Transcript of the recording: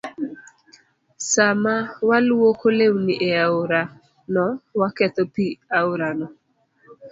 Sama walwoko lewni e aorano, waketho pi aorano.